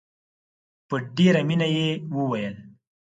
په ډېره مینه یې وویل.